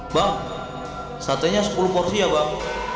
bang satenya sepuluh porsi ya bang